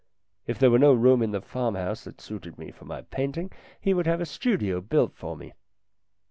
If there were no room in the farmhouse that suited me for my painting he would have a studio built for me.